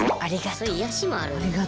そういう癒やしもあるので。